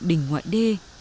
đỉnh ngoại đê